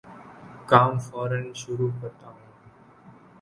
کام فورا شروع کرتا ہوں